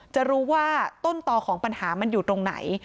จะรู้ว่าต้นต่อของปัญหามันอยู่ตรงไหน